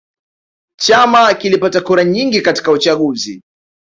Chama kilipata kura nyingi katika uchaguzi